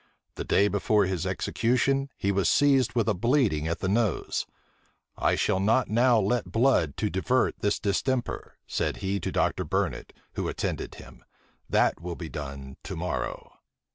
The day before his execution, he was seized with a bleeding at the nose. "I shall not now let blood to divert this distemper," said he to Dr. Burnet, who attended him; "that will be done to morrow."